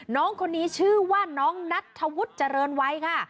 น้องคนนี้ชื่อว่าน้องนัทธวุฒิเจริญวัยค่ะ